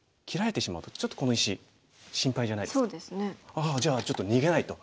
ああじゃあちょっと逃げないと。